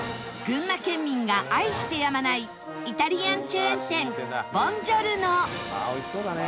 群馬県民が愛してやまないイタリアンチェーン店ボンジョルノああ美味しそうだね。